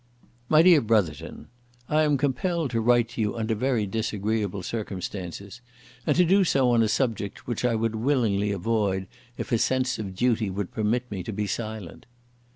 "MY DEAR BROTHERTON, I am compelled to write to you under very disagreeable circumstances, and to do so on a subject which I would willingly avoid if a sense of duty would permit me to be silent.